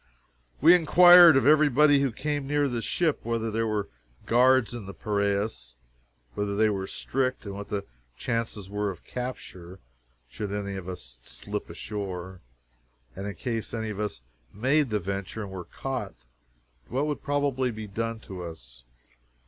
We inquired of every body who came near the ship, whether there were guards in the Piraeus, whether they were strict, what the chances were of capture should any of us slip ashore, and in case any of us made the venture and were caught, what would be probably done to us?